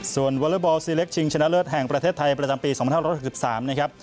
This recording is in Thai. ส่วนวอเลอร์บอลซีเล็กชิงชนะเลิศแห่งประเทศไทยประจำปี๒๕๖๓นะครับ